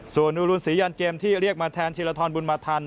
ส่วนอูรุนศรียันเกมที่เรียกมาแทนธีรทรบุญมาทัน